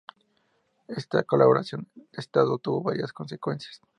Esta colaboración de Estado tuvo varias consecuencias.